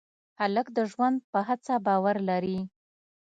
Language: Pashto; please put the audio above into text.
هلک د ژوند په هڅه باور لري.